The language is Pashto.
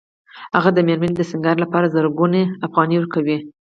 هغه د مېرمنې د سینګار لپاره زرګونه افغانۍ ورکوي